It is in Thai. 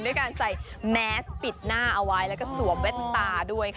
ด้วยการใส่แมสปิดหน้าเอาไว้แล้วก็สวมแว่นตาด้วยค่ะ